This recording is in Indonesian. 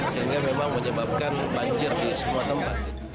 sehingga memang menyebabkan banjir di semua tempat